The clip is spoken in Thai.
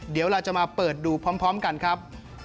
เดี๋ยวเราจะมาเปิดดูพร้อมกันครับ